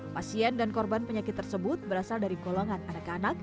pasien dan korban penyakit tersebut berasal dari golongan anak anak